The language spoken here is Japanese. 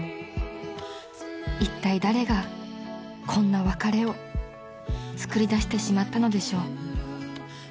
［いったい誰がこんな別れをつくりだしてしまったのでしょう］